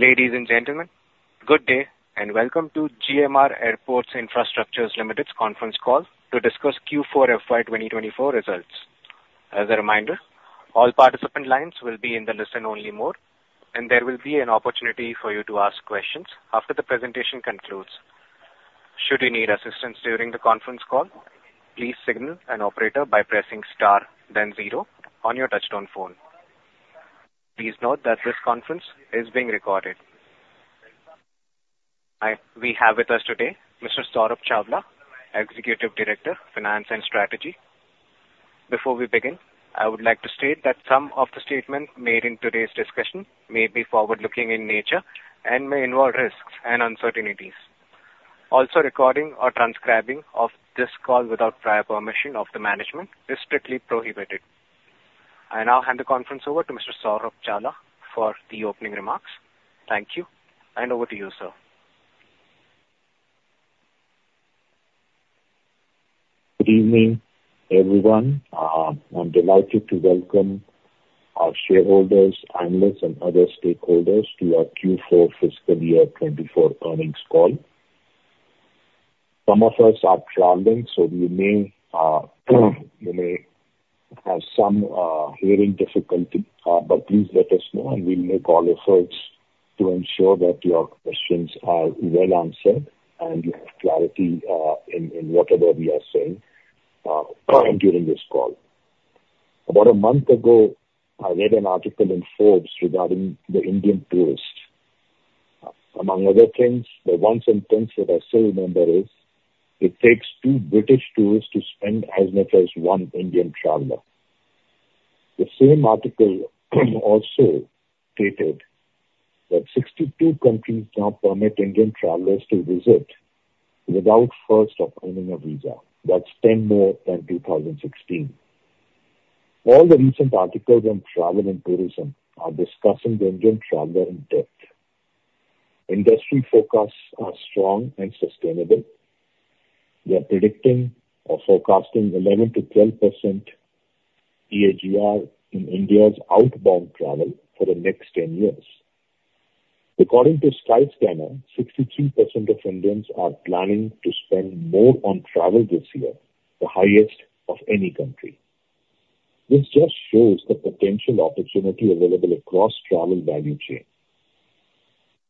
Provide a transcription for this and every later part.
Ladies and gentlemen, good day, and welcome to GMR Airports Infrastructure Limited's conference call to discuss Q4 FY 2024 results. As a reminder, all participant lines will be in the listen-only mode, and there will be an opportunity for you to ask questions after the presentation concludes. Should you need assistance during the conference call, please signal an operator by pressing star then zero on your touchtone phone. Please note that this conference is being recorded. We have with us today Mr. Saurabh Chawla, Executive Director, Finance and Strategy. Before we begin, I would like to state that some of the statements made in today's discussion may be forward-looking in nature and may involve risks and uncertainties. Also, recording or transcribing of this call without prior permission of the management is strictly prohibited. I now hand the conference over to Mr. Saurabh Chawla for the opening remarks. Thank you, and over to you, sir. Good evening, everyone. I'm delighted to welcome our shareholders, analysts, and other stakeholders to our Q4 fiscal year 2024 earnings call. Some of us are traveling, so we may, you may have some hearing difficulty, but please let us know, and we'll make all efforts to ensure that your questions are well answered and you have clarity, in whatever we are saying, during this call. About a month ago, I read an article in Forbes regarding the Indian tourist. Among other things, the one sentence that I still remember is: it takes two British tourists to spend as much as one Indian traveler. The same article also stated that 62 countries now permit Indian travelers to visit without first obtaining a visa. That's 10 more than 2016. All the recent articles on travel and tourism are discussing the Indian traveler in depth. Industry forecasts are strong and sustainable. We are predicting or forecasting 11%-12% CAGR in India's outbound travel for the next 10 years. According to Skyscanner, 62% of Indians are planning to spend more on travel this year, the highest of any country. This just shows the potential opportunity available across travel value chain.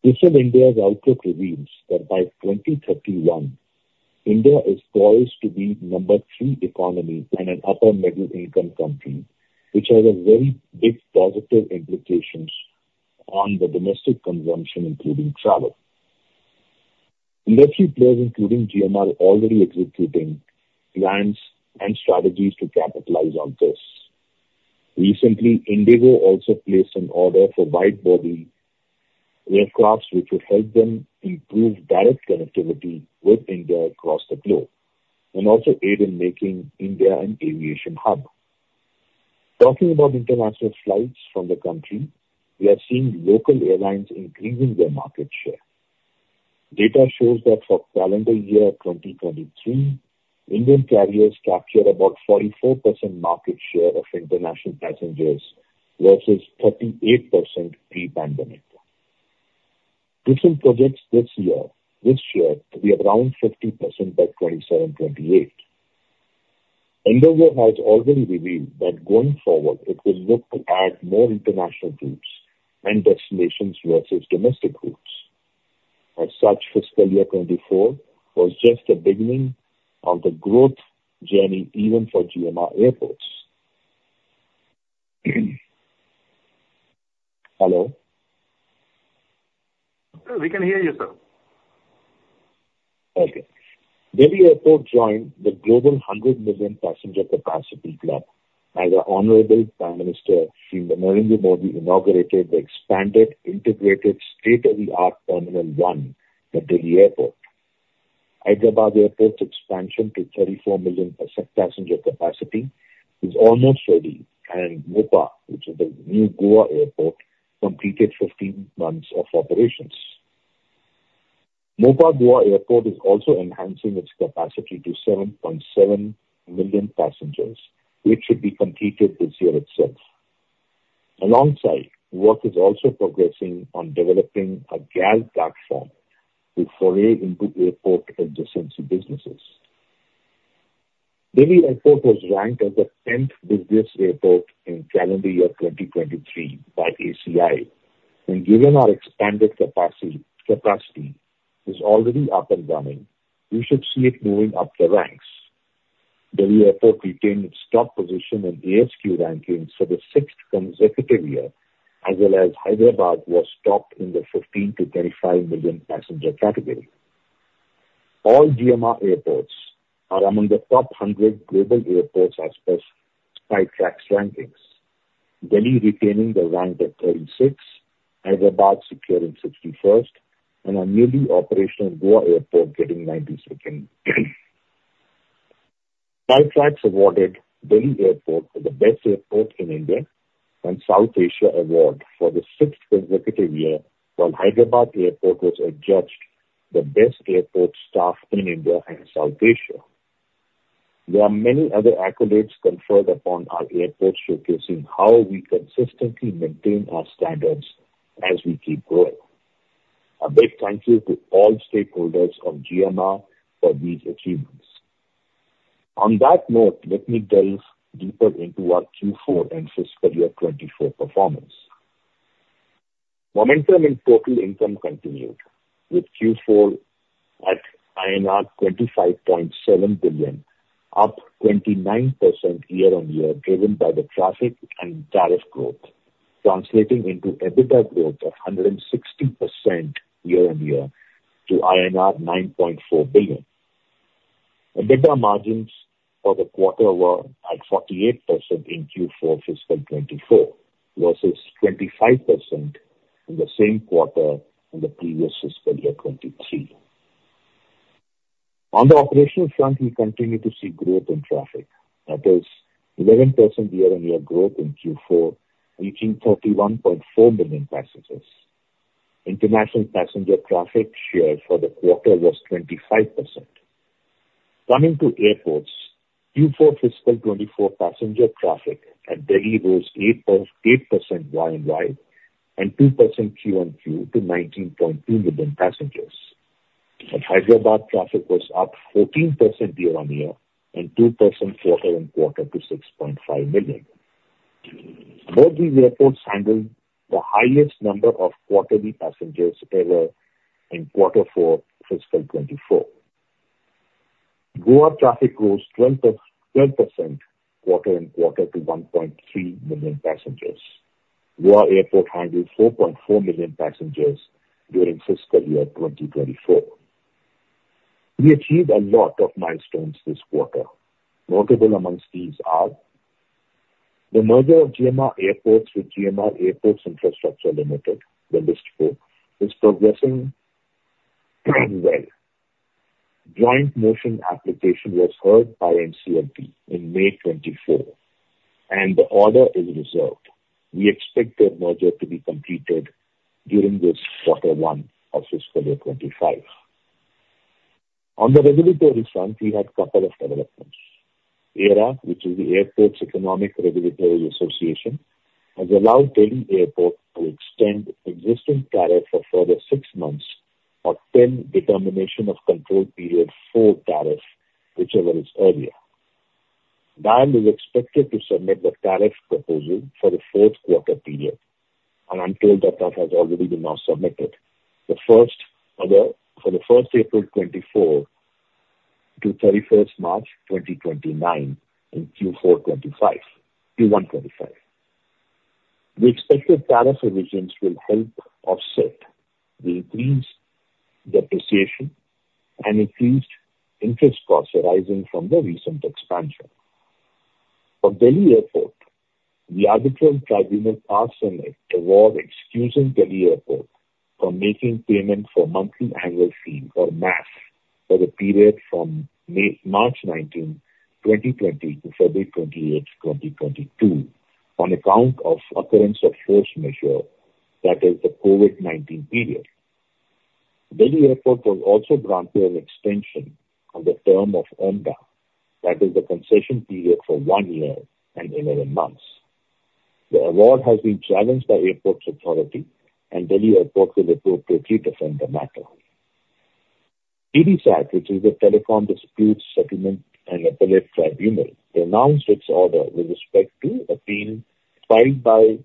Recent India's outlook reveals that by 2031, India is poised to be number three economy and an upper middle-income country, which has a very big positive implications on the domestic consumption, including travel. Industry players, including GMR, are already executing plans and strategies to capitalize on this. Recently, IndiGo also placed an order for wide-body aircraft, which will help them improve direct connectivity with India across the globe and also aid in making India an aviation hub. Talking about international flights from the country, we are seeing local airlines increasing their market share. Data shows that for calendar year 2023, Indian carriers captured about 44% market share of international passengers versus 38% pre-pandemic. Recent projections this year to be around 50% by 2027, 2028. IndiGo has already revealed that going forward, it will look to add more international routes and destinations versus domestic routes. As such, fiscal year 2024 was just the beginning of the growth journey, even for GMR Airports. Hello? We can hear you, sir. Okay. Delhi Airport joined the global 100 million passenger capacity club, as our Honorable Prime Minister Shri Narendra Modi inaugurated the expanded, integrated, state-of-the-art Terminal 1 at Delhi Airport. Hyderabad Airport's expansion to 34 million passenger capacity is almost ready, and Mopa, which is the new Goa Airport, completed 15 months of operations. Mopa Goa Airport is also enhancing its capacity to 7.7 million passengers, which should be completed this year itself. Alongside, work is also progressing on developing a GAL platform to foray into airport adjacency businesses. Delhi Airport was ranked as the tenth busiest airport in calendar year 2023 by ACI, and given our expanded capacity, capacity is already up and running, we should see it moving up the ranks. Delhi Airport retained its top position in ASQ rankings for the sixth consecutive year, as well as Hyderabad was top in the 15-35 million passenger category. All GMR airports are among the top 100 global airports as per Skytrax rankings, Delhi retaining the rank at 36, Hyderabad securing 61st, and our newly operational Goa Airport getting 92nd. Skytrax awarded Delhi Airport for the best airport in India and South Asia award for the sixth consecutive year, while Hyderabad Airport was adjudged the best airport staff in India and South Asia. There are many other accolades conferred upon our airports, showcasing how we consistently maintain our standards as we keep growing. A big thank you to all stakeholders of GMR for these achievements. On that note, let me dive deeper into our Q4 and fiscal year 2024 performance. Momentum in total income continued, with Q4 at INR 25.7 billion, up 29% year-on-year, driven by the traffic and tariff growth, translating into EBITDA growth of 160% year-on-year to INR 9.4 billion. EBITDA margins for the quarter were at 48% in Q4 fiscal 2024, versus 25% in the same quarter in the previous fiscal year, 2023. On the operational front, we continue to see growth in traffic. That is 11% year-on-year growth in Q4, reaching 31.4 million passengers. International passenger traffic share for the quarter was 25%. Coming to airports, Q4 fiscal 2024 passenger traffic at Delhi was 8.8% Y-o-Y, and 2% Q-o-Q to 19.2 million passengers. Hyderabad traffic was up 14% year-on-year and 2% quarter on quarter to 6.5 million. Both these airports handled the highest number of quarterly passengers ever in quarter four, fiscal 2024. Goa traffic grows 12% quarter-on-quarter to 1.3 million passengers. Goa Airport handled 4.4 million passengers during fiscal year 2024. We achieved a lot of milestones this quarter. Notable amongst these are: the merger of GMR Airports with GMR Airports Infrastructure Limited; the listing is progressing well. Joint motion application was heard by NCLT in May 2024, and the order is reserved. We expect the merger to be completed during this quarter one of fiscal year 2025. On the regulatory front, we had a couple of developments. AERA, which is the Airports Economic Regulatory Authority, has allowed Delhi Airport to extend existing tariff for further six months or till determination of control period four tariff, whichever is earlier. DIAL is expected to submit the tariff proposal for the fourth Control Period, and I'm told that tariff has already been now submitted. The tariff for the first April 2024 to 31 March 2029 in Q4 2025, Q1 2025. The expected tariff revisions will help offset the increased depreciation and increased interest costs arising from the recent expansion. For Delhi Airport, the Arbitral Tribunal passed an award excusing Delhi Airport from making payment for monthly annual fee, or MAF, for the period from March 19, 2020 to February 28, 2022, on account of occurrence of force majeure, that is the COVID-19 period. Delhi Airport was also granted an extension on the term of OMDA, that is the concession period for one year and 11 months. The award has been challenged by Airports Authority of India, and Delhi Airport will appeal to defend the matter. TDSAT, which is the Telecom Disputes Settlement and Appellate Tribunal, announced its order with respect to a claim filed by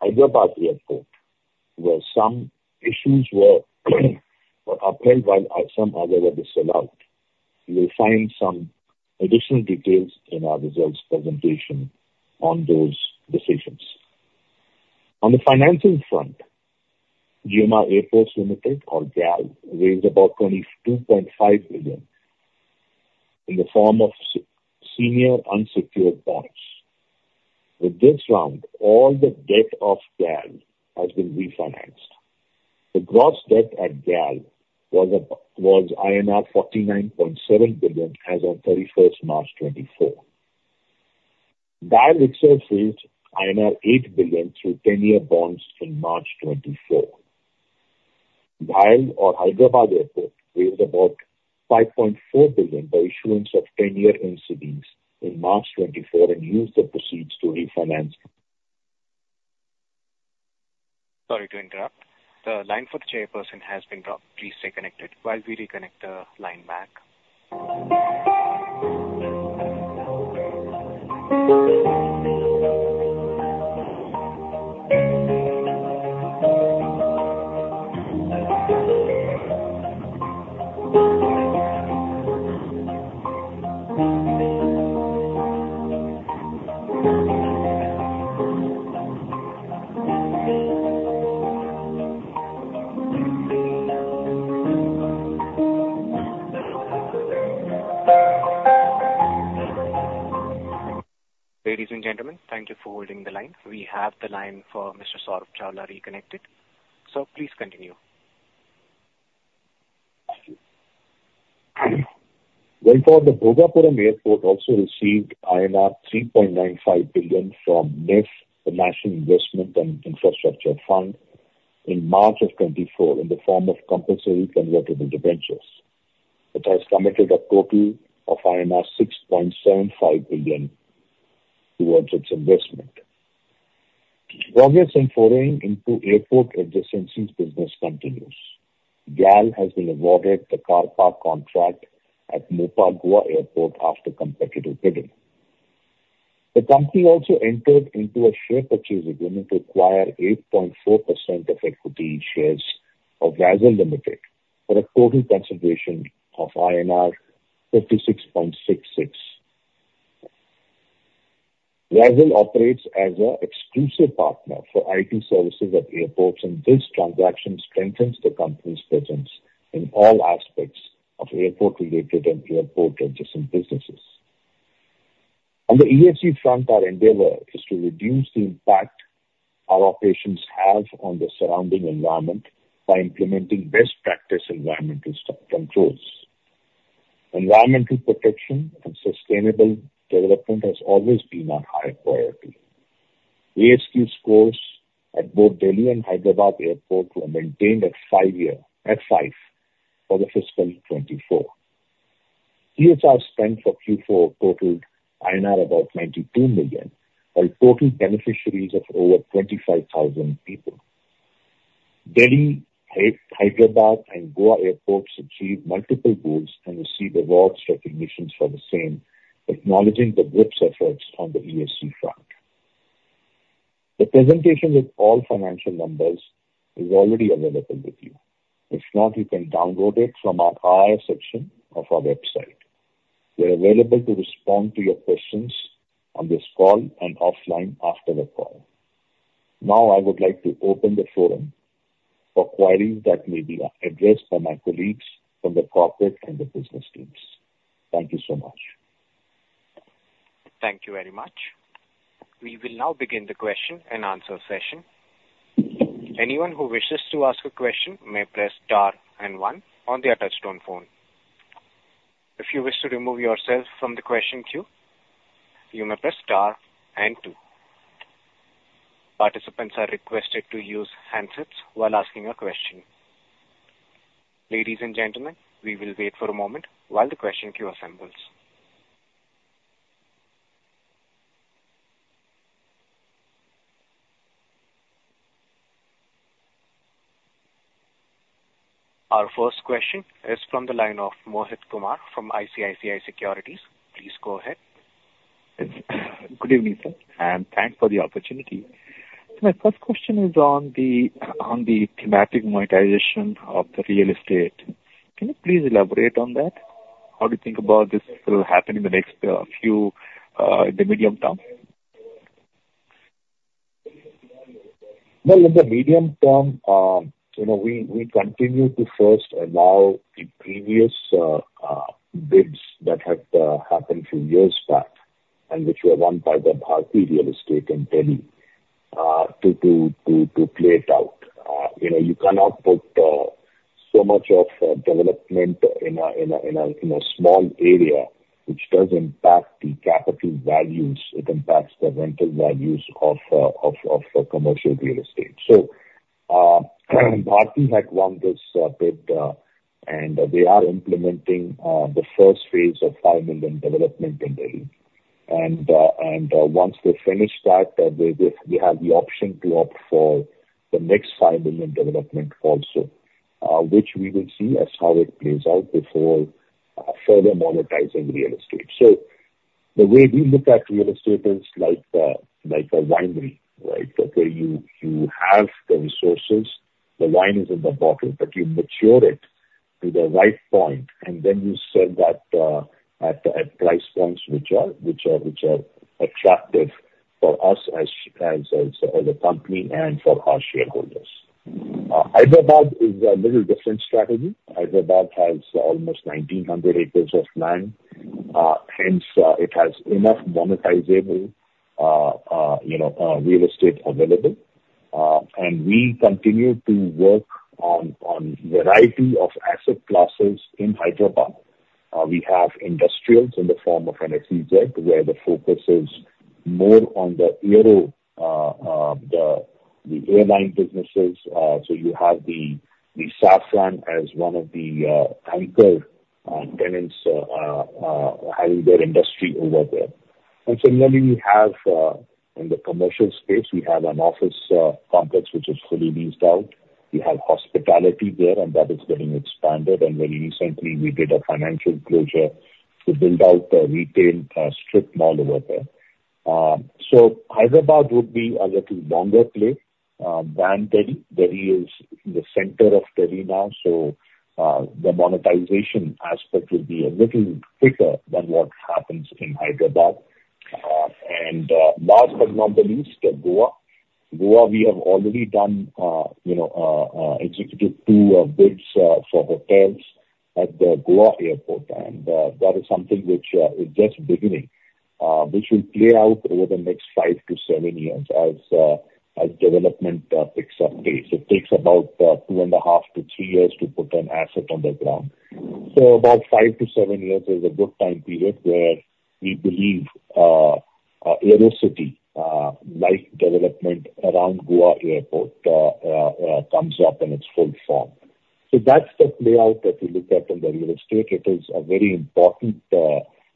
Hyderabad Airport, where some issues were upheld while some other were disallowed. You will find some additional details in our results presentation on those decisions. On the financing front, GMR Airports Limited, or GAL, raised about 22.5 billion in the form of senior unsecured bonds. With this round, all the debt of GAL has been refinanced. The gross debt at GAL was INR 49.7 billion as on March 31, 2024. DIAL itself raised INR 8 billion through ten-year bonds in March 2024. DIAL or Hyderabad Airport, raised about 5.4 billion by issuance of ten-year NCDs in March 2024, and used the proceeds to refinance- Sorry to interrupt. The line for the chairperson has been dropped. Please stay connected while we reconnect the line back. Ladies and gentlemen, thank you for holding the line. We have the line for Mr. Saurabh Chawla reconnected, sir, please continue. Well, for the Bhogapuram Airport also received INR 3.95 billion from NIIF, the National Investment and Infrastructure Fund.... in March 2024, in the form of compulsory convertible debentures. It has committed a total of 6.75 billion towards its investment. Progress in foraying into airport adjacencies business continues. GAL has been awarded the car park contract at Mopa Goa Airport after competitive bidding. The company also entered into a share purchase agreement to acquire 8.4% of equity shares of WAISL Limited, for a total consideration of INR 56.66. WAISL operates as an exclusive partner for IT services at airports, and this transaction strengthens the company's presence in all aspects of airport-related and airport adjacent businesses. On the ESG front, our endeavor is to reduce the impact our operations have on the surrounding environment by implementing best practice environmental controls. Environmental protection and sustainable development has always been our high priority. ESG scores at both Delhi and Hyderabad airports were maintained at five for the fiscal 2024. CSR spend for Q4 totaled about 92 million INR, while total beneficiaries of over 25,000 people. Delhi, Hyderabad and Goa airports achieved multiple goals and received awards, recognitions for the same, acknowledging the group's efforts on the ESG front. The presentation with all financial numbers is already available with you. If not, you can download it from our IR section of our website. We are available to respond to your questions on this call and offline after the call. Now, I would like to open the forum for queries that may be addressed by my colleagues from the corporate and the business teams. Thank you so much. Thank you very much. We will now begin the question and answer session. Anyone who wishes to ask a question may press star and one on their touchtone phone. If you wish to remove yourself from the question queue, you may press star and two. Participants are requested to use handsets while asking a question. Ladies and gentlemen, we will wait for a moment while the question queue assembles. Our first question is from the line of Mohit Kumar, from ICICI Securities. Please go ahead. Good evening, sir, and thanks for the opportunity. My first question is on the thematic monetization of the real estate. Can you please elaborate on that? How do you think about this will happen in the next few in the medium term? Well, in the medium term, you know, we continue to first allow the previous bids that had happened few years back, and which were won by the Bharti Realty in Delhi, to play it out. You know, you cannot put so much of development in a small area, which does impact the capital values, it impacts the rental values of commercial real estate. So, Bharti had won this bid, and they are implementing the first phase of five million development in Delhi. And, once they finish that, they have the option to opt for the next five million development also, which we will see as how it plays out before further monetizing real estate. So the way we look at real estate is like a winery, right? Where you have the resources, the wine is in the bottle, but you mature it to the right point, and then you sell that at price points which are attractive for us as a company and for our shareholders. Hyderabad is a little different strategy. Hyderabad has almost 1,900 acres of land, hence it has enough monetizable, you know, real estate available. And we continue to work on a variety of asset classes in Hyderabad. We have industrials in the form of an SEZ, where the focus is more on the aero, the airline businesses. So you have the Safran as one of the anchor tenants having their industry over there. And similarly, we have in the commercial space, we have an office complex, which is fully leased out. We have hospitality there, and that is getting expanded. And very recently, we did a financial closure to build out a retail strip mall over there. So Hyderabad would be a little longer play than Delhi. Delhi is in the center of Delhi now, so the monetization aspect will be a little quicker than what happens in Hyderabad. And last but not the least, what we have already done, you know, executed two bids for hotels at the Goa Airport. That is something which is just beginning, which will play out over the next five-seven years as development picks up pace. It takes about two and half-three years to put an asset on the ground. So about 5-7 years is a good time period, where we believe Aerocity, like development around Goa Airport, comes up in its full form. So that's the layout that we looked at in the real estate. It is a very important, you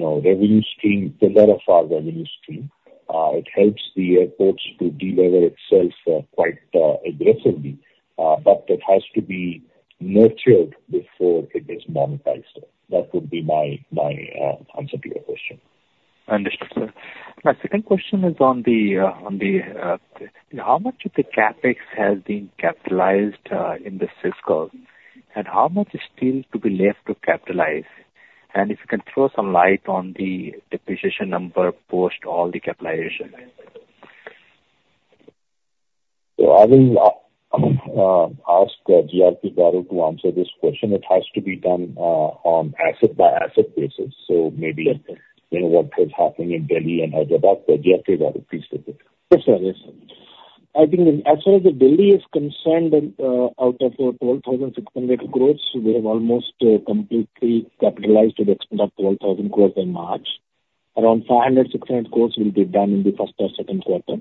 know, revenue stream, pillar of our revenue stream. It helps the airports to deliver itself quite aggressively, but it has to be nurtured before it is monetized. That would be my answer to your question. Understood, sir. My second question is on the how much of the CapEx has been capitalized in this fiscal? And how much is still to be left to capitalize? And if you can throw some light on the depreciation number post all the capitalization. So I will ask G.R.K. Babu to answer this question. It has to be done on an asset-by-asset basis, so maybe- Okay. -You know, what is happening in Delhi and Hyderabad. So G.R.K. Babu, please take it. Yes, sir. Yes, sir. I think as far as Delhi is concerned, and, out of about 12,600 crore, we have almost, completely capitalized to the extent of 12,000 crore in March. Around 500-600 crore will be done in the first or second quarter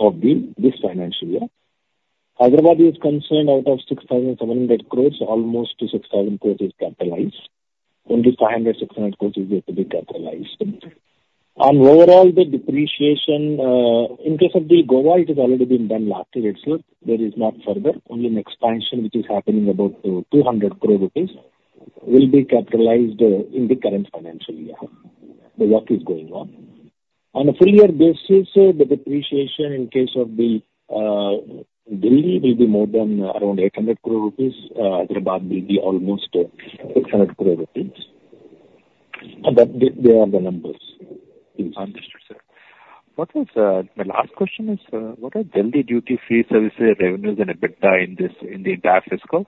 of the, this financial year. As far as Hyderabad is concerned, out of 6,700 crore, almost 6,000 crore is capitalized. Only 500-600 crore is yet to be capitalized. And overall, the depreciation, in case of the Goa, it has already been done last year itself. There is not further, only an expansion which is happening, about, 200 crore rupees will be capitalized, in the current financial year. The work is going on. On a full-year basis, the depreciation in case of the Delhi will be more than around 800 crore rupees. Hyderabad will be almost 600 crore rupees. But they are the numbers. Understood, sir. My last question is, what are Delhi duty-free services revenues and EBITDA in this, in the entire fiscal?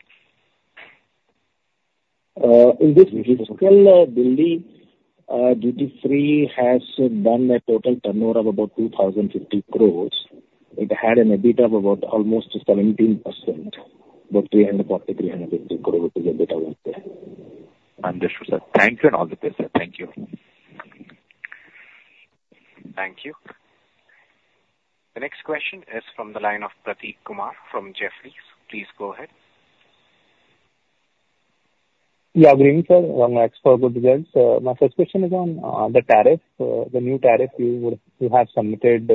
In this fiscal, Delhi, duty-free has done a total turnover of about 2,050 crores. It had an EBITDA of about almost 17%, about 340-380 crores EBITDA was there. Understood, sir. Thank you and all the best, sir. Thank you. Thank you. The next question is from the line of Prateek Kumar from Jefferies. Please go ahead. Yeah, good evening, sir. Thanks for good results. My first question is on the tariff, the new tariff you would, you have submitted.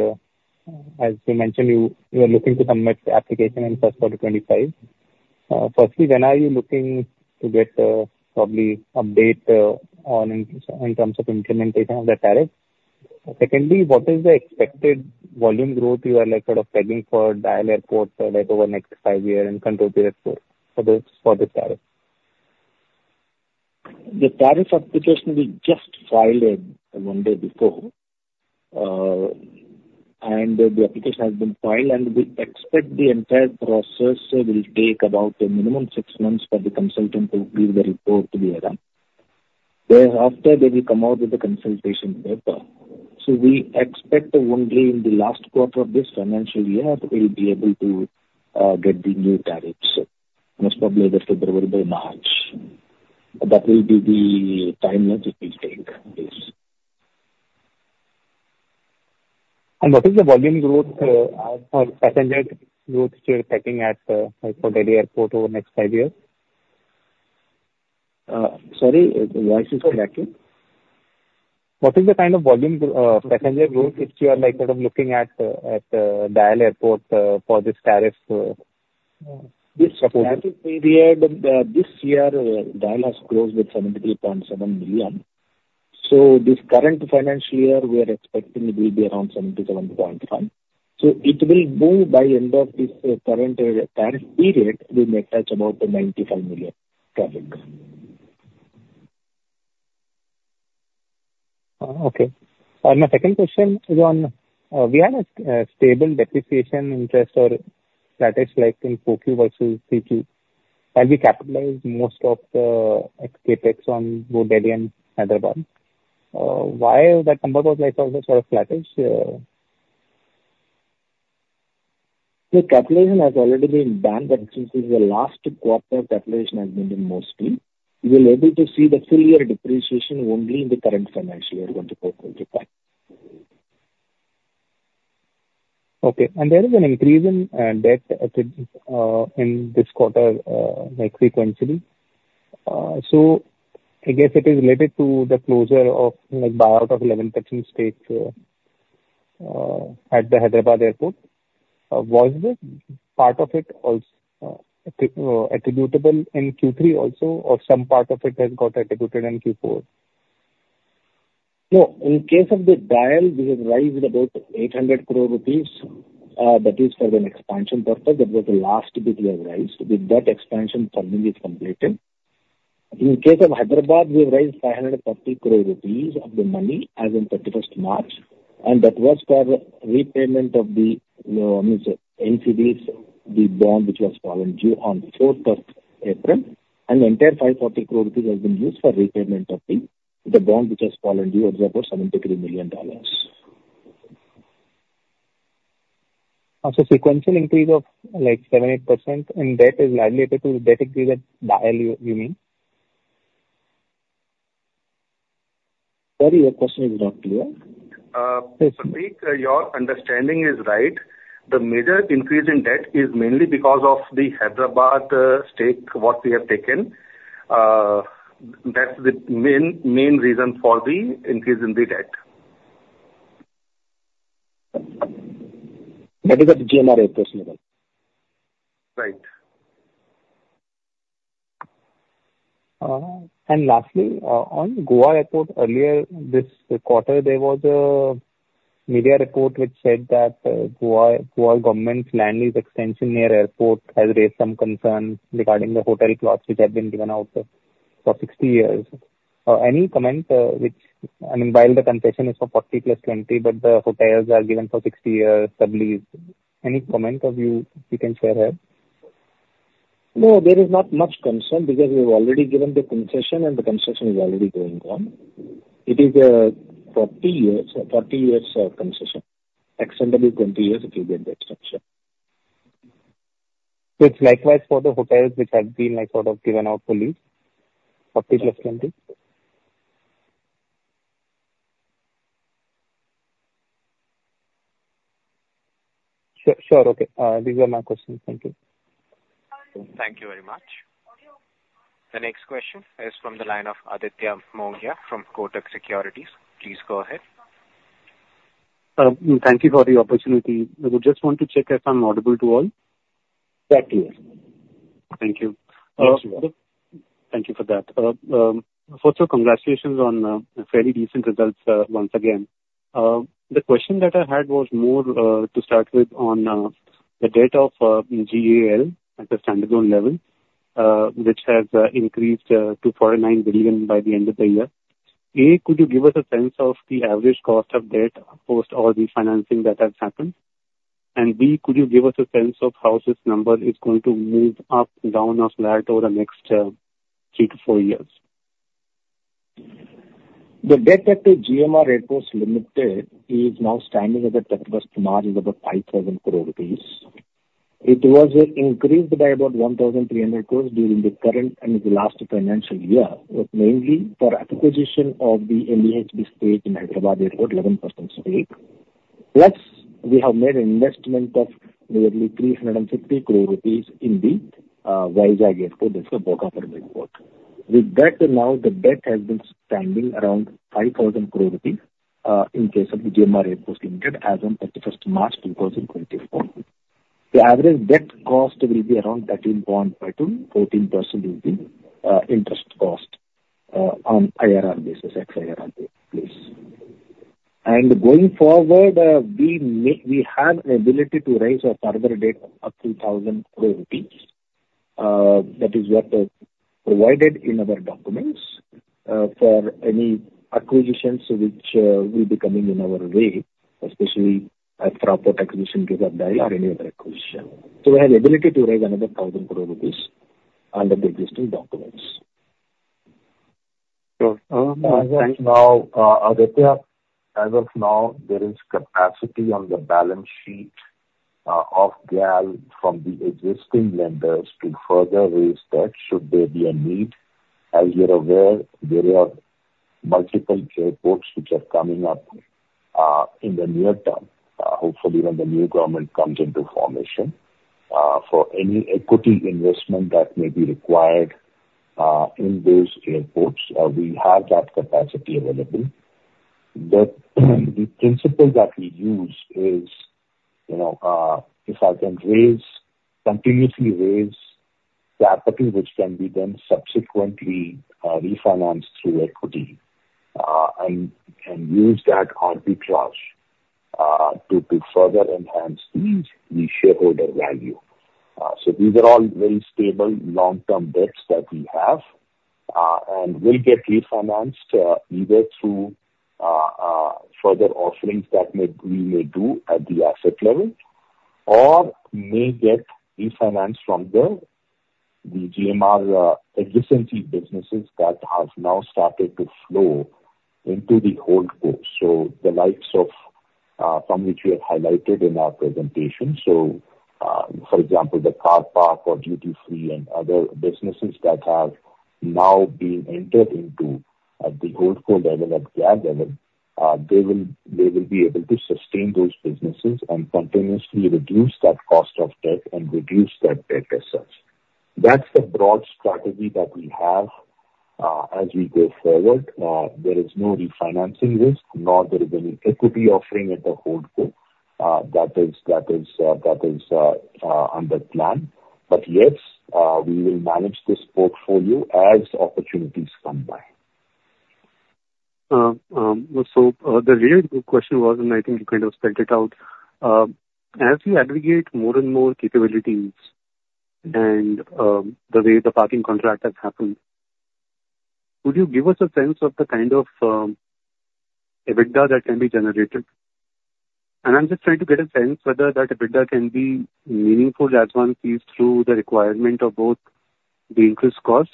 As you mentioned, you, you are looking to submit the application in first quarter 2025. Firstly, when are you looking to get probably update on in terms of implementation of the tariff? Secondly, what is the expected volume growth you are like sort of planning for DIAL airports, like over the next five years and control period four for this, for this tariff? The tariff application we just filed 1 day before, and the application has been filed, and we expect the entire process will take about a minimum 6 months for the consultant to give the report to the AERA. Then after, they will come out with the consultation paper. So we expect only in the last quarter of this financial year that we'll be able to get the new tariffs. Most probably, this will be over by March. That will be the timeline that it will take. Yes. What is the volume growth, or passenger growth you're expecting at Delhi airport over the next five years? Sorry, voice is breaking. What is the kind of volume, passenger growth which you are like sort of looking at, at DIAL airport, for this tariff, this- This tariff period, this year, DIAL has closed with 72.7 million. So this current financial year, we are expecting it will be around 77.5. So it will go by end of this, current, tariff period, we may touch about the 95 million traffic. Okay. My second question is on, we had a stable depreciation interest or flattish like in 4Q versus 3Q, as we capitalized most of the CapEx on both Delhi and Hyderabad. Why that number was like also sort of flattish? The capitalization has already been done, but since it's the last quarter, capitalization has been done mostly. You will able to see the full year depreciation only in the current financial year, when the report will be back. Okay, and there is an increase in debt in this quarter, like sequentially. So I guess it is related to the closure of, like, buyout of 11% stake at the Hyderabad Airport. Was this part of it attributable in Q3 also, or some part of it has got attributed in Q4? No, in case of the DIAL, we have raised about 800 crore rupees, that is for an expansion purpose. That was the last bit we have raised. The debt expansion funding is completed. In case of Hyderabad, we have raised 530 crore rupees of the money as on March 31, and that was for repayment of the, I mean, NCDs, the bond which was fallen due on April 4, and the entire 540 crore rupees has been used for repayment of the bond which has fallen due, it's about $73 million.... Also sequential increase of like 7%-8% and debt is largely due to debt increase at DIAL, you mean? Sorry, your question is not clear. Pratik, your understanding is right. The major increase in debt is mainly because of the Hyderabad stake what we have taken. That's the main, main reason for the increase in the debt. That is at the GMR Airports Limited. Right. And lastly, on Goa Airport, earlier this quarter, there was a media report which said that, Goa, Goa government's land lease extension near airport has raised some concerns regarding the hotel plots which have been given out for 60 years. Any comment, which—I mean, while the concession is for 40 + 20, but the hotels are given for 60 years sublease. Any comment of you, you can share here? No, there is not much concern because we've already given the concession, and the concession is already going on. It is 40 years, 40 years of concession, extendable 20 years it will get the extension. So it's likewise for the hotels which have been, like, sort of given out for lease, 40 + 20? Sure, okay. These are my questions. Thank you. Thank you very much. The next question is from the line of Aditya Mongia from Kotak Securities. Please go ahead. Thank you for the opportunity. I would just want to check if I'm audible to all? Very clear. Thank you. Yes, you are. Thank you for that. First off, congratulations on fairly decent results once again. The question that I had was more to start with on the debt of GAL at the standalone level, which has increased to 49 billion by the end of the year. A, could you give us a sense of the average cost of debt post all the financing that has happened? And B, could you give us a sense of how this number is going to move up, down or flat over the next 3-4 years? The debt at the GMR Airports Limited is now standing at March 31 is about 5,000 crore rupees. It was increased by about 1,300 crore during the current and the last financial year, mainly for acquisition of the 11% stake in Hyderabad Airport. Plus, we have made an investment of nearly 350 crore rupees in the Vizag Airport. That's the Bhogapuram Airport. With that, now the debt has been standing around 5,000 crore rupees in case of the GMR Airports Limited as on March 31, 2024. The average debt cost will be around 13.5-14% will be interest cost on IRR basis, ex IRR basis. And going forward, we have an ability to raise a further debt of 3,000 crore rupees. That is what is provided in our documents, for any acquisitions which will be coming in our way, especially airport acquisition DIAL or any other acquisition. So we have the ability to raise another 1,000 crore rupees under the existing documents. So, um- As of now, Aditya, as of now, there is capacity on the balance sheet of GAL from the existing lenders to further raise debt, should there be a need. As you're aware, there are multiple airports which are coming up in the near term, hopefully when the new government comes into formation. For any equity investment that may be required in those airports, we have that capacity available. But the principle that we use is, you know, if I can raise, continuously raise the equity, which can be then subsequently refinanced through equity, and, and use that arbitrage to, to further enhance the, the shareholder value. So these are all very stable long-term debts that we have, and will get refinanced, either through further offerings that we may do at the asset level, or may get refinanced from the GMR existing businesses that have now started to flow into the hold co. So the likes of some which we have highlighted in our presentation. So, for example, the car park or duty-free and other businesses that have now been entered into at the holdco level, at GAL level, they will be able to sustain those businesses and continuously reduce that cost of debt and reduce that debt as such. That's the broad strategy that we have, as we go forward. There is no refinancing risk, nor there is any equity offering at the holdco. That is under plan. But yes, we will manage this portfolio as opportunities come by. The real question was, and I think you kind of spelled it out, as you aggregate more and more capabilities and the way the parking contract has happened, would you give us a sense of the kind of EBITDA that can be generated? And I'm just trying to get a sense whether that EBITDA can be meaningful as one sees through the requirement of both the increased cost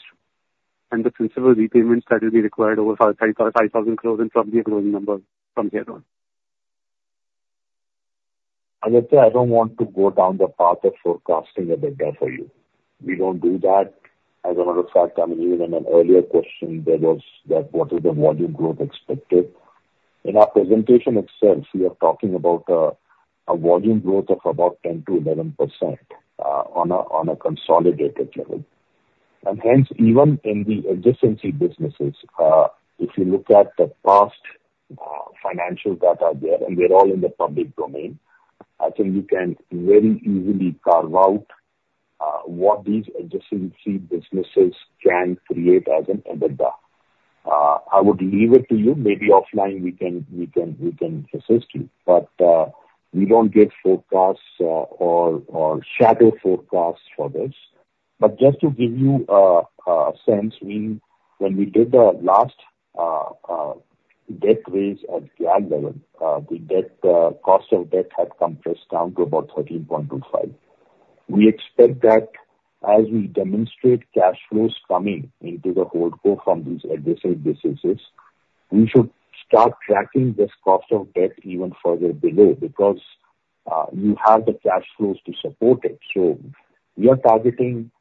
and the principal repayments that will be required over 5,000 crore and from the closing number from here on? Aditya, I don't want to go down the path of forecasting EBITDA for you. We don't do that. As a matter of fact, I mean, even in an earlier question, there was that, "What is the volume growth expected?" In our presentation itself, we are talking about a volume growth of about 10%-11%, on a consolidated level. And hence, even in the adjacency businesses, if you look at the past financial data there, and they're all in the public domain, I think you can very easily carve out what these adjacency businesses can create as an EBITDA. I would leave it to you, maybe offline we can assist you, but we don't give forecasts or shadow forecasts for this. But just to give you a sense, when we did the last debt raise at GIA level, the debt cost of debt had compressed down to about 13.25. We expect that as we demonstrate cash flows coming into the holdco from these adjacent businesses, we should start tracking this cost of debt even further below, because you have the cash flows to support it. So we are targeting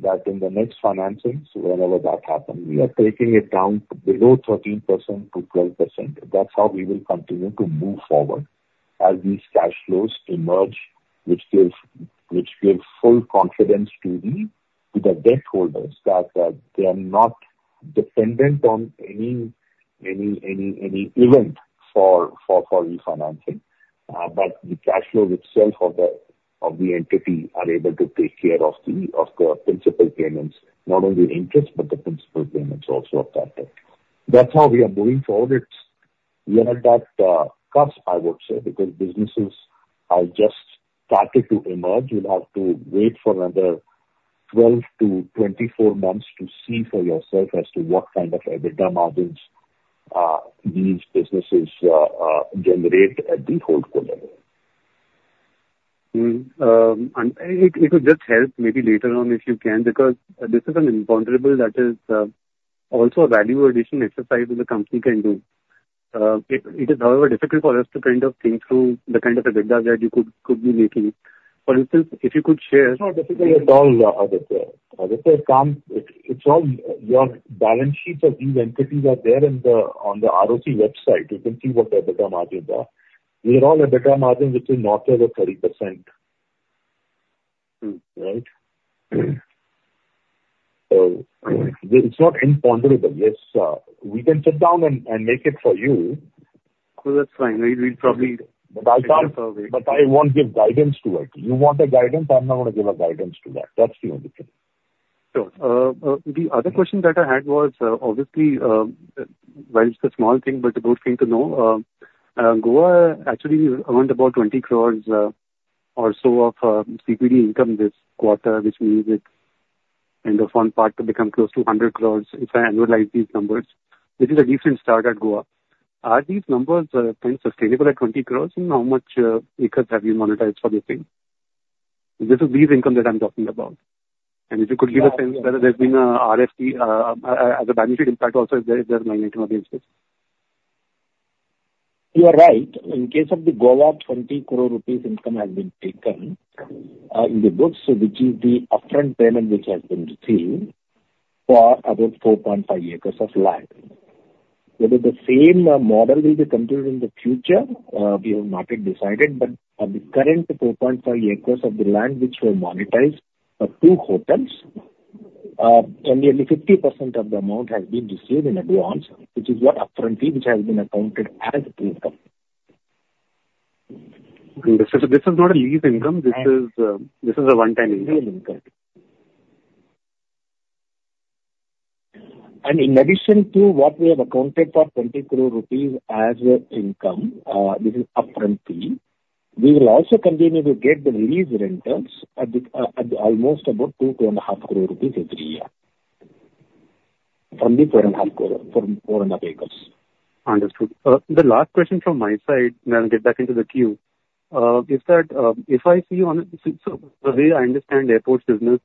that in the next financings, whenever that happens, we are taking it down to below 13% to 12%. That's how we will continue to move forward as these cash flows emerge, which gives full confidence to the debt holders that they are not dependent on any event for refinancing. But the cash flows itself of the, of the entity are able to take care of the, of the principal payments, not only interest, but the principal payments also of that debt. That's how we are moving forward. It's early at that, cusp, I would say, because businesses are just starting to emerge. You'll have to wait for another 12-24 months to see for yourself as to what kind of EBITDA margins, these businesses, generate at the holdco level. It would just help maybe later on, if you can, because this is an imponderable that is also a value addition exercise that the company can do. It is, however, difficult for us to kind of think through the kind of EBITDA that you could be making. But if you could share- It's not difficult at all, Aditya. Aditya, it's all, your balance sheets of these entities are there in the, on the ROC website. You can see what the EBITDA margins are. These are all EBITDA margins, which is north of 30%. Mm. Right? So it's not imponderable. Yes, we can sit down and, and make it for you. No, that's fine. We, we'll probably- I won't give guidance to it. You want a guidance, I'm not gonna give a guidance to that. That's the only thing. Sure. The other question that I had was, obviously, well, it's a small thing, but a good thing to know. Goa actually earned about 20 crore, or so of, CPD income this quarter, which means it's in the fun part to become close to 100 crore if I annualize these numbers. This is a recent start at Goa. Are these numbers, kind of sustainable at 20 crore? And how much, acres have you monetized for this thing? This is lease income that I'm talking about. And if you could give a sense whether there's been a RFP, as a balance sheet impact also, is there, is there magnitude of this? You are right. In case of the Goa, 20 crore rupees income has been taken, in the books, which is the upfront payment which has been received for about 4.5 acres of land. Whether the same, model will be continued in the future, we have not yet decided, but at the current 4.5 acres of the land which were monetized are two hotels. And nearly 50% of the amount has been received in advance, which is what upfront fee, which has been accounted as income. This is, this is not a lease income. No. This is, this is a one-time income. One-time income. In addition to what we have accounted for, 20 crore rupees as income, this is upfront fee, we will also continue to get the lease rentals at the, at almost about 2-2.5 crore rupees every year from the 4.5 crore, from 4.5 acres. Understood. The last question from my side, and I'll get back into the queue, is that, if I see on... So, the way I understand airports business,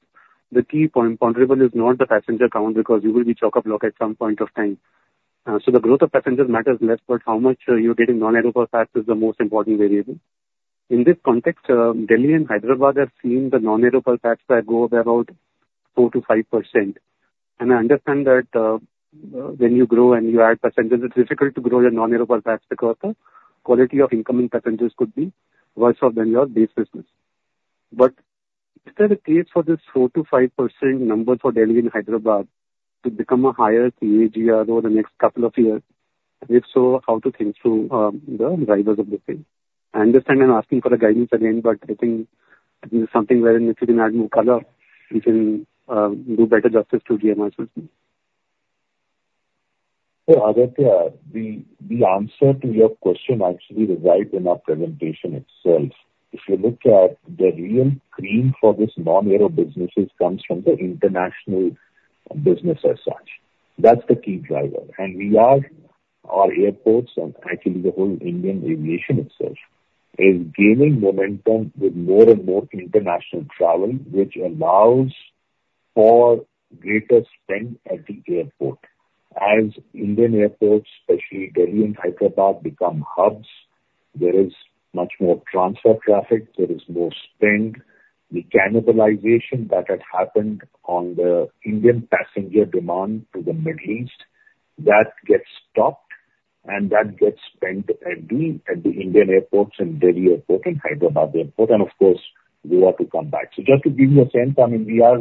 the key point, imponderable is not the passenger count, because you will be choke up block at some point of time. So the growth of passengers matters less, but how much you're getting non-aero pax is the most important variable. In this context, Delhi and Hyderabad have seen the non-aero pax fare go up about 4%-5%. And I understand that, when you grow and you add passengers, it's difficult to grow your non-aero pax because the quality of incoming passengers could be worse off than your base business. But is there a case for this 4%-5% number for Delhi and Hyderabad to become a higher CAGR over the next couple of years? And if so, how to think through the drivers of this thing? I understand I'm asking for a guidance again, but I think it is something where if you can add more color, you can do better justice to the analysis. So, Aditya, the answer to your question actually reside in our presentation itself. If you look at the real cream for this non-aero businesses comes from the international business as such. That's the key driver. And our airports and actually the whole Indian aviation itself is gaining momentum with more and more international travel, which allows for greater spend at the airport. As Indian airports, especially Delhi and Hyderabad, become hubs, there is much more transfer traffic, there is more spend. The cannibalization that had happened on the Indian passenger demand to the Middle East, that gets stopped and that gets spent at the Indian airports, in Delhi Airport, in Hyderabad Airport, and of course, they are to come back. So just to give you a sense, I mean, we are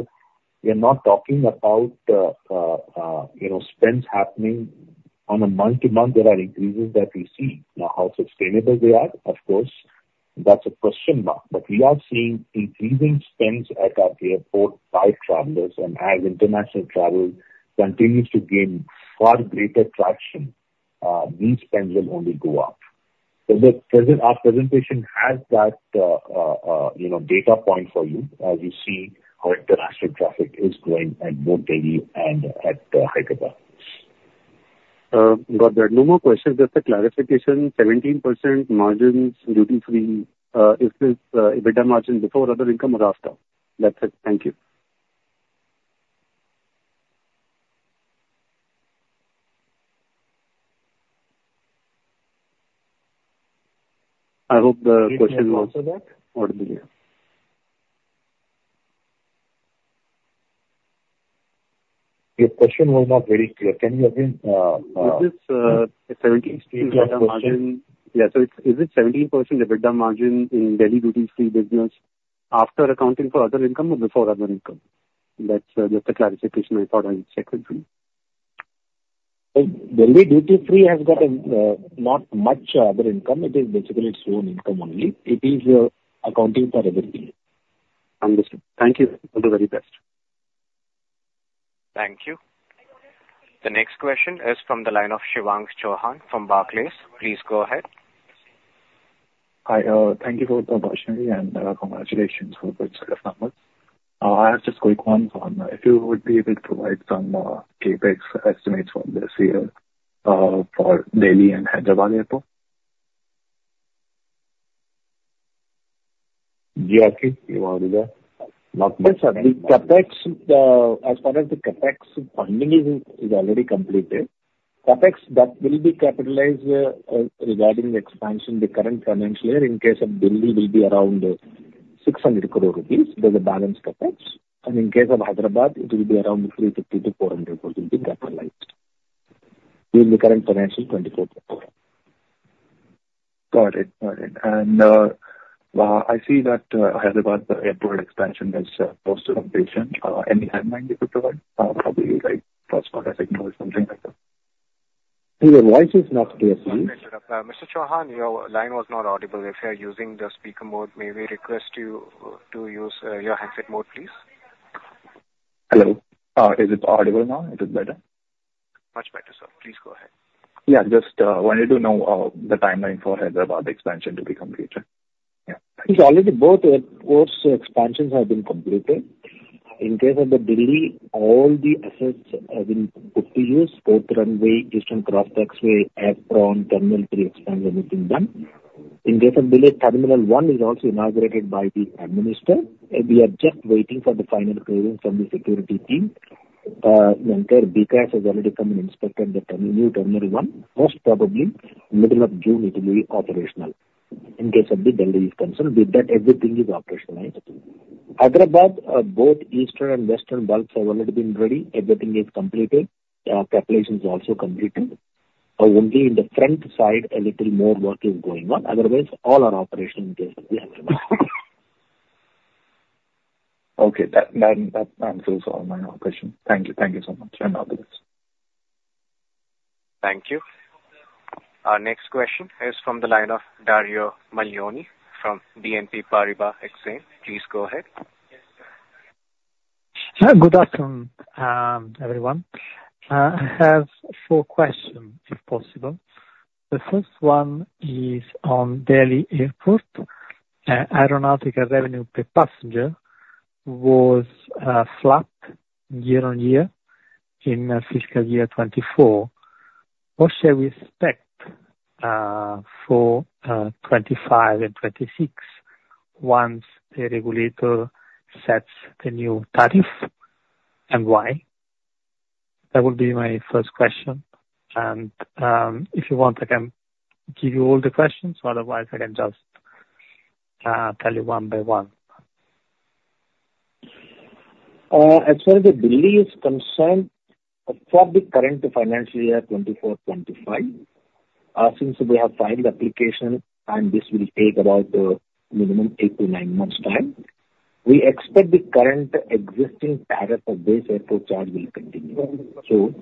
not talking about, you know, spends happening on a month-to-month. There are increases that we see. Now, how sustainable they are, of course, that's a question mark. But we are seeing increasing spends at our airport by travelers, and as international travel continues to gain far greater traction, these spends will only go up. So our presentation has that, you know, data point for you as you see how international traffic is growing at both Delhi and at Hyderabad. There are no more questions, just a clarification. 17% duty-free margins, is this EBITDA margin before other income or after? That's it. Thank you. I hope the question was- Can you answer that? Your question was not very clear. Can you again? Is this a 17% EBITDA margin? Repeat your question. Yeah. So is it 17% EBITDA margin in Delhi duty-free business after accounting for other income or before other income? That's just a clarification I thought I would check with you. Delhi duty-free has got not much other income. It is basically its own income only. It is accounting for everything. Understood. Thank you. All the very best. Thank you. The next question is from the line of Shivank Chauhan from Barclays. Please go ahead. Hi, thank you very much, and congratulations for a good set of numbers. I have just quick one on, if you would be able to provide some, CapEx estimates for this year, for Delhi and Hyderabad Airport? Yeah, okay. You are there. Not just the CapEx, as far as the CapEx funding is, is already completed. CapEx that will be capitalized regarding the expansion the current financial year, in case of Delhi, will be around 600 crore rupees. There's a balance CapEx, and in case of Hyderabad, it will be around 350-400 crore rupees will be capitalized in the current financial 2024.4. Got it. Got it. And, I see that, Hyderabad airport expansion is, close to completion. Any timeline you could provide? Probably like first quarter next year or something like that. Your voice is not clear, sir. Mr. Chauhan, your line was not audible. If you are using the speaker mode, may we request you, to use, your handset mode, please? Hello? Is it audible now? Is it better? Much better, sir. Please go ahead. Yeah, just wanted to know the timeline for Hyderabad expansion to be completed. Yeah. It's already both airports expansions have been completed. In case of the Delhi, all the assets have been put to use, both runway, distant cross taxiway, apron, Terminal 3 expansion has been done. In case of Delhi, Terminal 1 is also inaugurated by the Prime Minister, and we are just waiting for the final clearance from the security team. The entire BCAS has already come and inspected the terminal, Terminal 1. Most probably, middle of June it will be operational in case of the Delhi is concerned. With that, everything is operationalized. Hyderabad, both eastern and western bulks have already been ready. Everything is completed. Capitalization is also completed. Only in the front side, a little more work is going on. Otherwise, all are operational in case of Hyderabad. Okay. That answers all my questions. Thank you. Thank you so much, and all the best. Thank you. Our next question is from the line of Dario Mariani from BNP Paribas Exane. Please go ahead. Good afternoon, everyone. I have four questions, if possible. The first one is on Delhi Airport. Aeronautical revenue per passenger was flat year-on-year in fiscal year 2024. What shall we expect for 2025 and 2026 once the regulator sets the new tariff, and why? That would be my first question. And, if you want, I can give you all the questions, otherwise I can just tell you one by one. As far as Delhi is concerned, for the current financial year, 2024-25, since we have filed application and this will take about minimum 8-9 months time, we expect the current existing tariff of this airport charge will continue. So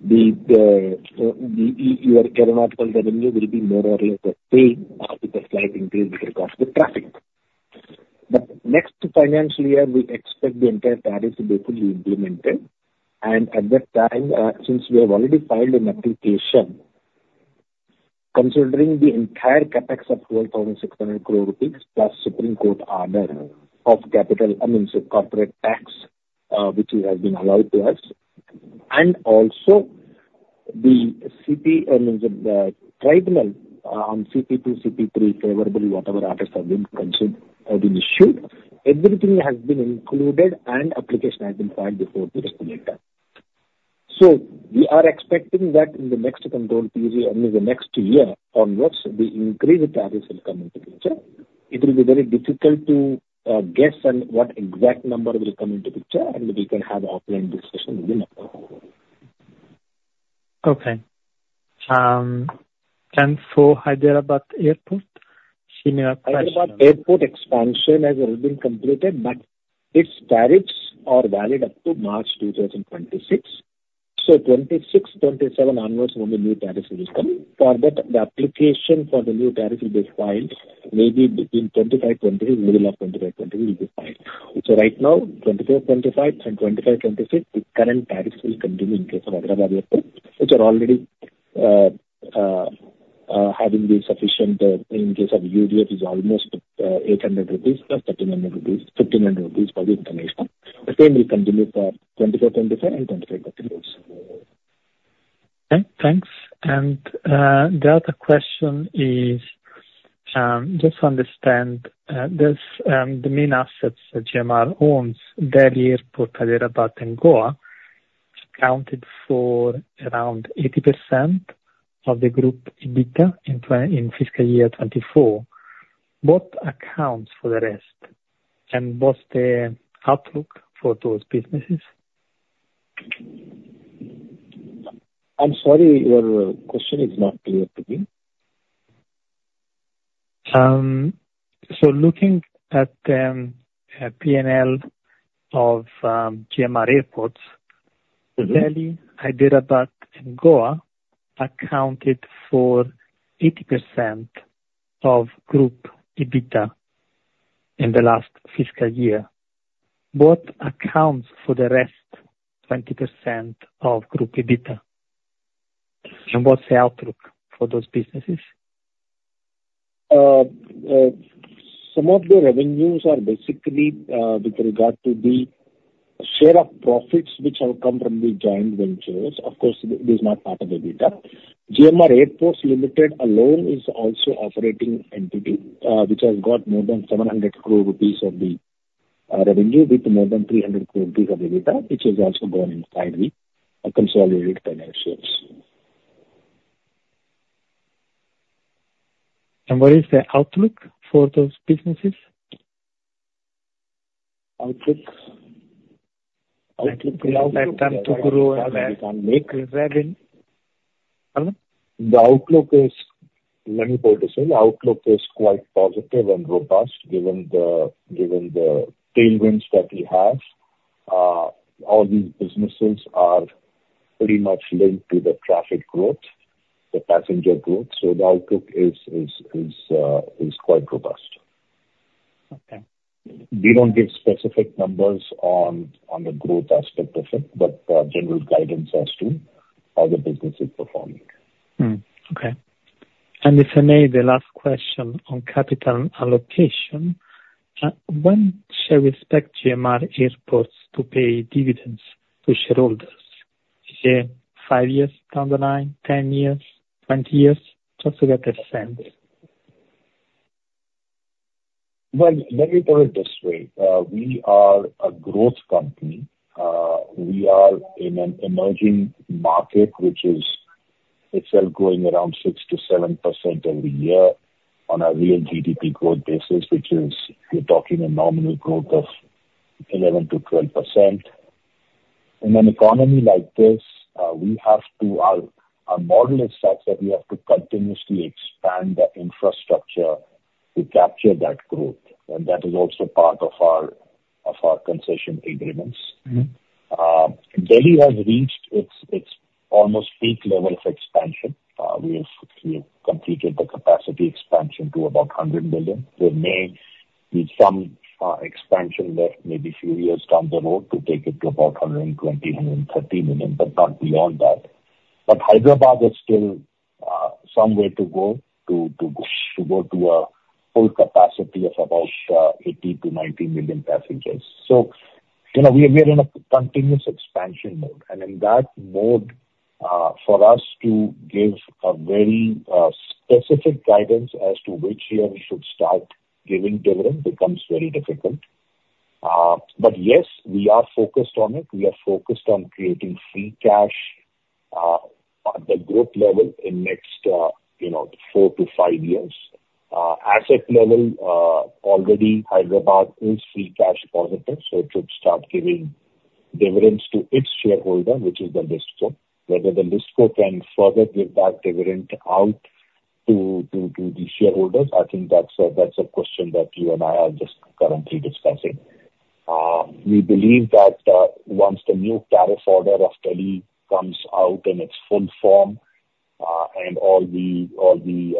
the your aeronautical revenue will be more or less the same with a slight increase because of the traffic. But next financial year, we expect the entire tariff to be fully implemented. And at that time, since we have already filed an application, considering the entire CapEx of 12,600 crore rupees, plus Supreme Court order of capital, I mean, corporate tax, which has been allowed to us, and also the CP and the tribunal on CP2, CP3, favorably, whatever orders have been considered have been issued. Everything has been included and application has been filed before the regulator. So we are expecting that in the next control period, I mean, the next year onwards, the increased tariffs will come into picture. It will be very difficult to guess what exact number will come into picture, and we can have offline discussion with the number. Okay. And for Hyderabad Airport, similar question. Hyderabad Airport expansion has already been completed, but its tariffs are valid up to March 2026. 2026-27 onwards, when the new tariffs will come. For that, the application for the new tariff will be filed maybe between 25-26, middle of 25-26 will be filed. So right now, 2024-25 and 2025-26, the current tariffs will continue in case of Hyderabad Airport, which are already having been sufficient in case of UDF is almost 800 rupees plus 1,300 rupees, 1,500 rupees for the information. The same will continue for 2024-25 and 2025-26 also. Okay, thanks. And, the other question is, just to understand, this, the main assets GMR owns, Delhi Airport, Hyderabad and Goa, accounted for around 80% of the group EBITDA in fiscal year 2024. What accounts for the rest, and what's the outlook for those businesses? I'm sorry, your question is not clear to me. So looking at P&L of GMR Airports- Mm-hmm. Delhi, Hyderabad and Goa accounted for 80% of group EBITDA in the last fiscal year. What accounts for the rest, 20% of group EBITDA? And what's the outlook for those businesses? Some of the revenues are basically with regard to the share of profits which have come from the joint ventures. Of course, this is not part of the data. GMR Airports Limited alone is also operating entity, which has got more than 700 crore rupees of the revenue, with more than 300 crore rupees of EBITDA, which is also gone inside the consolidated financials. What is the outlook for those businesses? Outlook? Outlook- Like time to grow and make revenue. Hello? The outlook is, let me put it this way, the outlook is quite positive and robust, given the tailwinds that we have. All these businesses are pretty much linked to the traffic growth, the passenger growth, so the outlook is quite robust. Okay. We don't give specific numbers on the growth aspect of it, but general guidance as to how the business is performing. Okay. If I may, the last question on capital allocation. When shall we expect GMR Airports to pay dividends to shareholders? Say, 5 years down the line, 10 years, 20 years? Just to get a sense. Well, let me put it this way, we are a growth company. We are in an emerging market, which is itself growing around 6%-7% every year on a real GDP growth basis, which is, you're talking a nominal growth of 11%-12%. In an economy like this, we have to... Our, our model is such that we have to continuously expand the infrastructure to capture that growth, and that is also part of our, of our concession agreements. Mm-hmm. Delhi has reached its almost peak level of expansion. We have completed the capacity expansion to about 100 million. There may be some expansion left, maybe few years down the road, to take it to about 120-130 million, but not beyond that. But Hyderabad is still some way to go, to go to a full capacity of about 80-90 million passengers. So, you know, we are in a continuous expansion mode, and in that mode, for us to give a very specific guidance as to which year we should start giving dividend becomes very difficult. But yes, we are focused on it. We are focused on creating free cash at the group level in next you know, 4-5 years. Asset level, already Hyderabad is free cash positive, so it should start giving dividends to its shareholder, which is the GAL. Whether the GAL can further give that dividend out to the shareholders, I think that's a question that you and I are just currently discussing. We believe that, once the new tariff order of Delhi comes out in its full form, and all the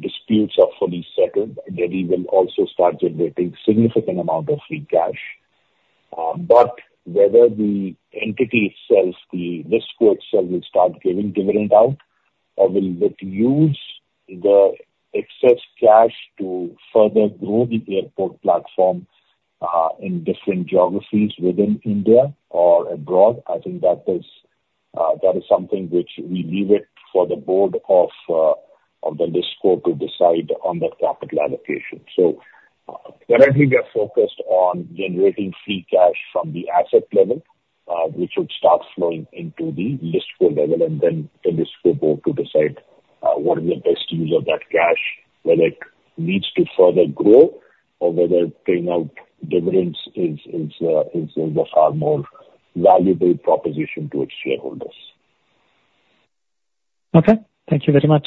disputes are fully settled, Delhi will also start generating significant amount of free cash. But whether the entity itself, the GAL itself, will start giving dividend out or will it use the excess cash to further grow the airport platform, in different geographies within India or abroad? I think that is, that is something which we leave it for the board of, of the listco to decide on the capital allocation. So, currently we are focused on generating free cash from the asset level, which would start flowing into the listco level, and then the listco board to decide, what is the best use of that cash, whether it needs to further grow or whether paying out dividends is a far more valuable proposition to its shareholders. Okay. Thank you very much.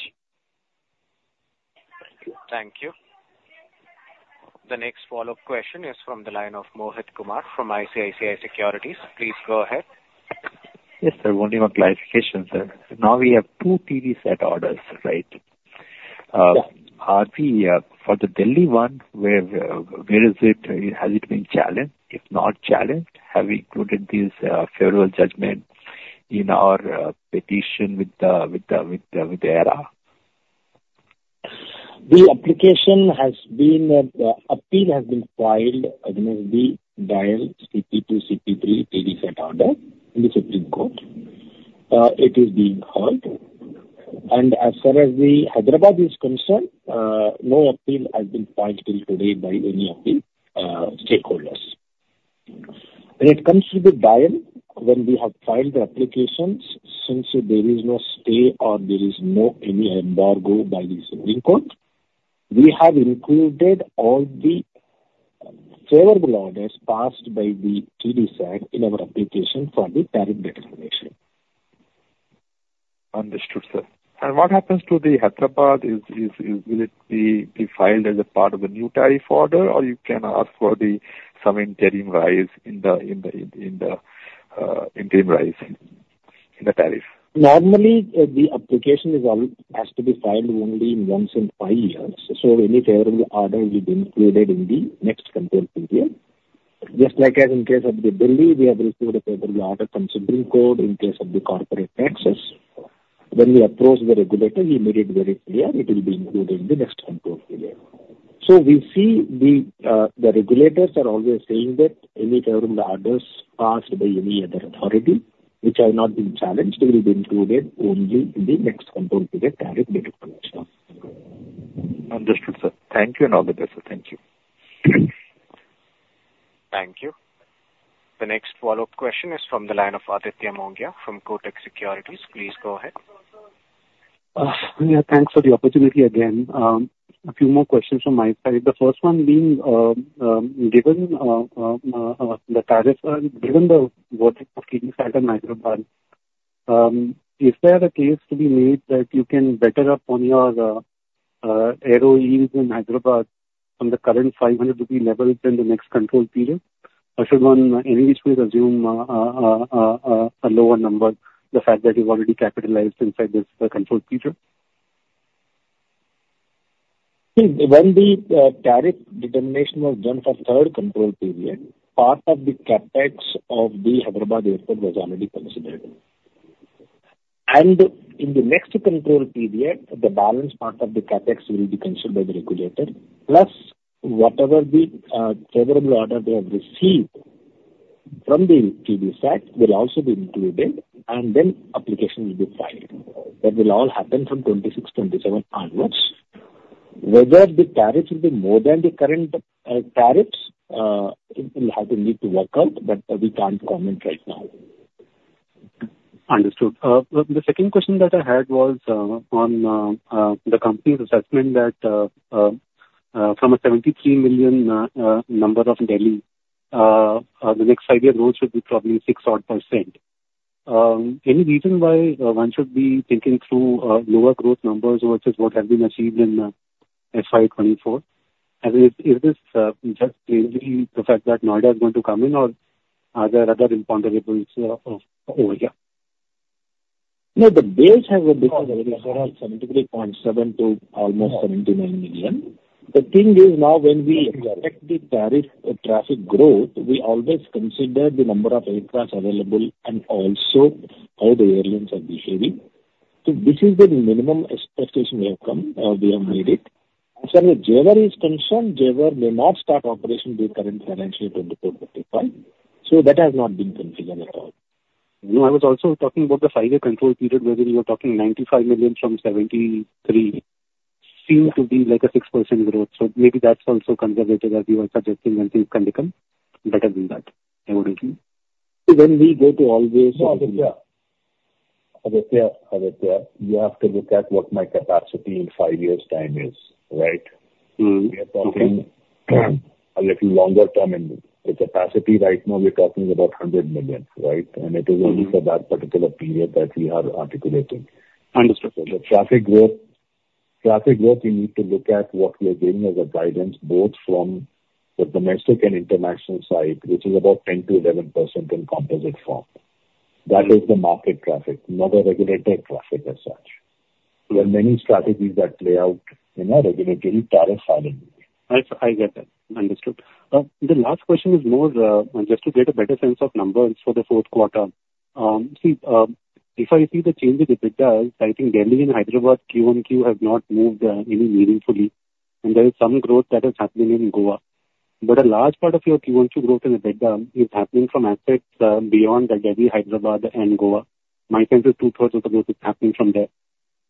Thank you. Thank you. The next follow-up question is from the line of Mohit Kumar from ICICI Securities. Please go ahead. Yes, sir. Only one clarification, sir. Now we have two TDSAT orders, right? Yeah. Are we for the Delhi one, where is it? Has it been challenged? If not challenged, have we included this favorable judgment in our petition with AERA? The application has been. Appeal has been filed against the DIAL CP2, CP3 TDSAT order in the Supreme Court. It is being heard. As far as the Hyderabad is concerned, no appeal has been filed till today by any of the stakeholders. When it comes to the DIAL, when we have filed the applications, since there is no stay or there is no any embargo by the Supreme Court, we have included all the favorable orders passed by the TDSAT in our application for the tariff determination. Understood, sir. What happens to the Hyderabad? Will it be filed as a part of a new tariff order, or you can ask for some interim rise in the tariff? Normally, the application is all has to be filed only once in five years, so any favorable order will be included in the next Control Period. Just like as in case of the Delhi, we have received a favorable order from Supreme Court in case of the corporate taxes. When we approached the regulator, he made it very clear it will be included in the next Control Period. So we see the regulators are always saying that any favorable orders passed by any other authority, which have not been challenged, will be included only in the next Control Period tariff determination. Understood, sir. Thank you and have a good day, sir. Thank you. Thank you. The next follow-up question is from the line of Aditya Mongia from Kotak Securities. Please go ahead. Yeah, thanks for the opportunity again. A few more questions from my side. The first one being, given the tariff, given the verdict of TDSAT Hyderabad, is there a case to be made that you can better up on your ROE in Hyderabad from the current 500 rupee level in the next Control Period? Or should one in any way assume a lower number, the fact that you've already capitalized inside this Control Period? When the tariff determination was done for third Control Period, part of the CapEx of the Hyderabad airport was already considered. In the next Control Period, the balance part of the CapEx will be considered by the regulator, plus whatever the favorable order they have received from the TDSAT will also be included, and then application will be filed. That will all happen from 2026, 2027 onwards. Whether the tariffs will be more than the current tariffs, we'll have the need to work out, but we can't comment right now. Understood. The second question that I had was on the company's assessment that from a 73 million number of Delhi the next five-year growth should be probably 6 odd %. Any reason why one should be thinking through lower growth numbers versus what has been achieved in FY 2024? And is this just mainly the fact that Noida is going to come in or are there other imponderables over here? No, the base has increased from 73.7 to almost 79 million. The thing is, now, when we expect the tariff traffic growth, we always consider the number of aircraft available and also how the airlines are behaving. So this is the minimum expectation we have come, we have made it. As far as Jewar is concerned, Jewar may not start operation the current financial year 2024-25, so that has not been confirmed at all. No, I was also talking about the five-year Control Period, whether you are talking 95 million from 73, seems to be like a 6% growth, so maybe that's also conservative, as you are suggesting, and it can become better than that, eventually. When we go to all this- Aditya, Aditya, Aditya, you have to look at what my capacity in five years' time is, right? Mm-hmm. We are talking a little longer term in the capacity. Right now, we're talking about 100 million, right? Mm-hmm. It is only for that particular period that we are articulating. Understood. The traffic growth, we need to look at what we are giving as a guidance, both from the domestic and international side, which is about 10%-11% in composite form. Mm-hmm. That is the market traffic, not a regulated traffic as such. There are many strategies that play out in our regulatory tariff filing.... I, I get that. Understood. The last question is more, just to get a better sense of numbers for the fourth quarter. See, if I see the change in EBITDA, I think Delhi and Hyderabad QoQ have not moved, any meaningfully, and there is some growth that has happened in Goa. But a large part of your QoQ growth in EBITDA is happening from assets, beyond Delhi, Hyderabad and Goa. My sense is two-thirds of the growth is happening from there.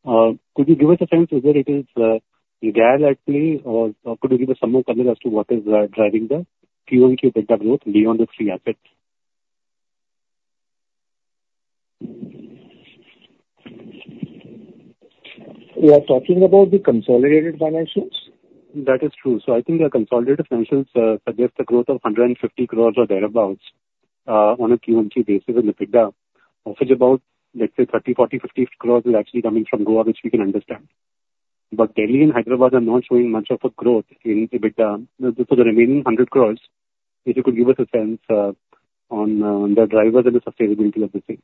Could you give us a sense whether it is, GAL actually, or could you give us some more color as to what is, driving the QoQ EBITDA growth beyond the three assets? We are talking about the consolidated financials? That is true. So I think the consolidated financials suggest a growth of 150 crores or thereabouts on a Q1Q basis in EBITDA. Of which about, let's say, 30, 40, 50 crores is actually coming from Goa, which we can understand. But Delhi and Hyderabad are not showing much of a growth in EBITDA. So for the remaining 100 crores, if you could give us a sense on the drivers and the sustainability of the same.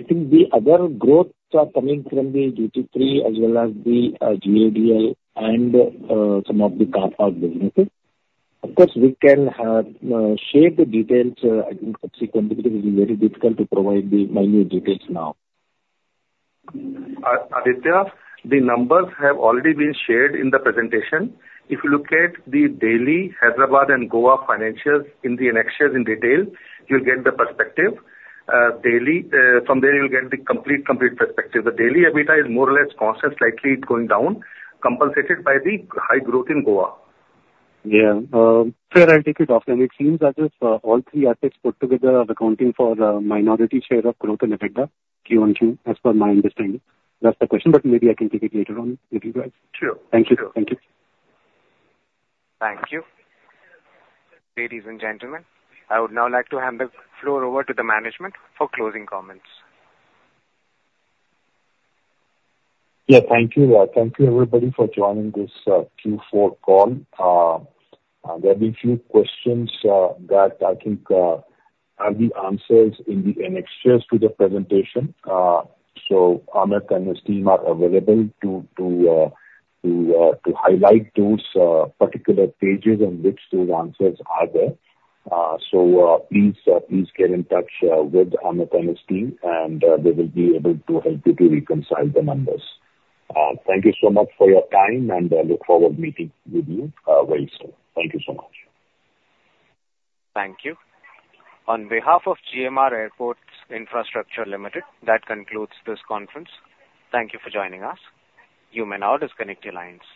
I think the other growth are coming from the duty free as well as the GAL and some of the car park businesses. Of course, we can share the details in subsequent, because it is very difficult to provide the minute details now. Aditya, the numbers have already been shared in the presentation. If you look at the Delhi, Hyderabad and Goa financials in the annexures in detail, you'll get the perspective. Delhi, from there you'll get the complete, complete perspective. The Delhi EBITDA is more or less constant, slightly it's going down, compensated by the high growth in Goa. Yeah. Fair, I'll take it offline. It seems as if, all three assets put together are accounting for the minority share of growth in EBITDA, Q1Q, as per my understanding. That's the question, but maybe I can take it later on with you guys. Sure. Thank you. Thank you. Thank you. Ladies and gentlemen, I would now like to hand the floor over to the management for closing comments. Yeah, thank you. Thank you, everybody, for joining this Q4 call. There'll be a few questions that I think have the answers in the annexures to the presentation. So Amit and his team are available to highlight those particular pages on which those answers are there. So please get in touch with Amit and his team, and they will be able to help you to reconcile the numbers. Thank you so much for your time, and I look forward to meeting with you very soon. Thank you so much. Thank you. On behalf of GMR Airports Infrastructure Limited, that concludes this conference. Thank you for joining us. You may now disconnect your lines.